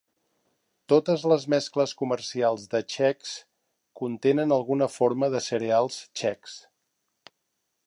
Totes les mescles comercials de Chex contenen alguna forma de cereals Chex.